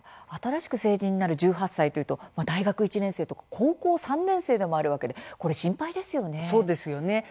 新しく成人になる１８歳といいますと大学１年生と高校３年生でもあるわけですね、心配ですよね。